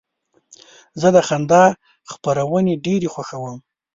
زه د خندا خپرونې ډېرې خوښوم.